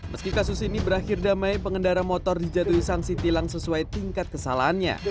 meski kasus ini berakhir damai pengendara motor dijatuhi sanksi tilang sesuai tingkat kesalahannya